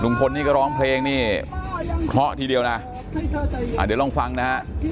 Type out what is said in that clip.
พลนี่ก็ร้องเพลงนี่เพราะทีเดียวนะเดี๋ยวลองฟังนะฮะ